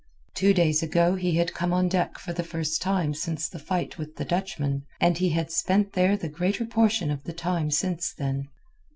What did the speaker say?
Two days ago he had come on deck for the first time since the fight with the Dutchman, and he had spent there the greater portion of the time since then.